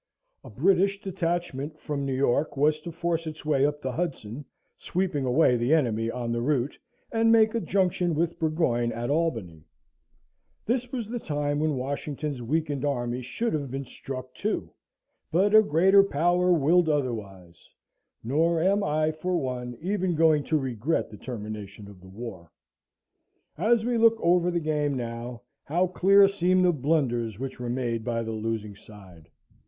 A British detachment from New York was to force its way up the Hudson, sweeping away the enemy on the route, and make a junction with Burgoyne at Albany. Then was the time when Washington's weakened army should have been struck too; but a greater Power willed otherwise: nor am I, for one, even going to regret the termination of the war. As we look over the game now, how clear seem the blunders which were made by the losing side!